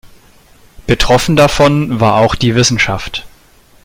Betroffen davon war auch die Wissenschaft.